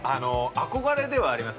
憧れではあります。